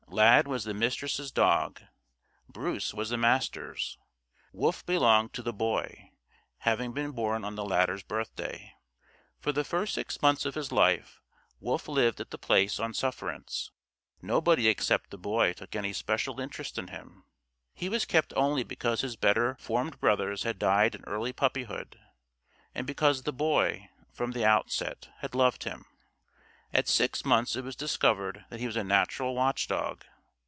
Lad was the Mistress' dog. Bruce was the Master's. Wolf belonged to the Boy, having been born on the latter's birthday. For the first six months of his life Wolf lived at The Place on sufferance. Nobody except the Boy took any special interest in him. He was kept only because his better formed brothers had died in early puppyhood and because the Boy, from the outset, had loved him. At six months it was discovered that he was a natural watch dog.